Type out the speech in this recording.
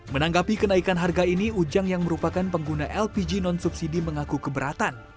menanggapi kenaikan harga ini ujang yang merupakan pengguna lpg non subsidi mengaku keberatan